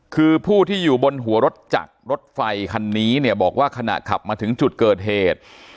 คือผู้ที่อยู่บนหัวรถจักรรถไฟคันนี้เนี่ยบอกว่าขณะขับมาถึงจุดเกิดเหตุ